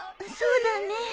そうだね。